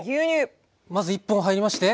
まず１本入りまして。